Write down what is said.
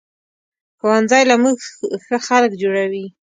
ښوونځی له مونږ ښه خلک جوړوي